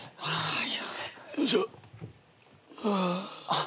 ああ。